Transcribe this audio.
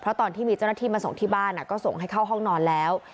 เพราะตอนที่มีเจ้าหน้าที่มาส่งที่บ้านก็ส่งให้เข้าห้องนอนแล้ว